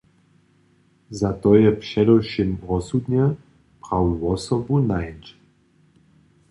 Za to je předewšěm rozsudne, prawu wosobu nańć.